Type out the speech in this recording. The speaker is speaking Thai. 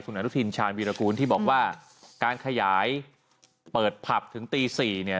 อนุทินชาญวีรกูลที่บอกว่าการขยายเปิดผับถึงตี๔เนี่ย